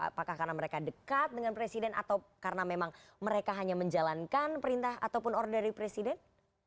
apakah karena mereka dekat dengan presiden atau karena memang mereka hanya menjalankan perintah ataupun order dari presiden